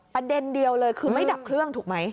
ประเด็นเดียวเลยคือไม่ดับเครื่องถูกไหม